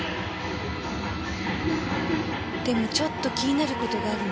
でもちょっと気になる事があるの。